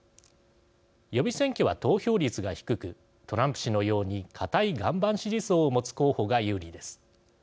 予備選挙は投票率が低くトランプ氏のように固い岩盤支持層を持つ候補が有利です。